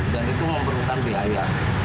dan itu membutuhkan biaya